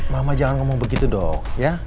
mama jangan ngomong begitu dong ya